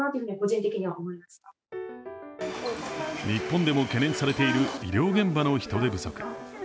日本でも懸念されている医療現場の人手不足。